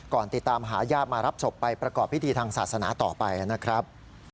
ติดตามหาญาติมารับศพไปประกอบพิธีทางศาสนาต่อไปนะครับ